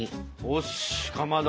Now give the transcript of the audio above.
よしかまど！